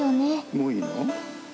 もういいの？